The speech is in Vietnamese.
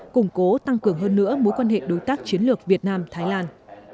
củng cố tăng cường hơn nữa mối quan hệ đối tác chiến lược việt nam thái lan